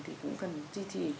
thì cũng cần duy trì